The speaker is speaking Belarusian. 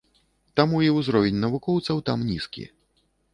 Таму і ўзровень навукоўцаў там нізкі.